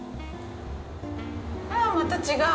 あぁ、また違う！